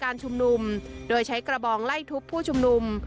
เข้าสลายการชุมนุมโดยใช้กระบองไล่ทุบผู้ชุมนุม